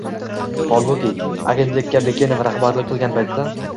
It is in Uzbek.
Holbuki, agentlikka Bekenov rahbarlik qilgan paytda